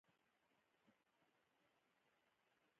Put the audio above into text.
د تل لپاره.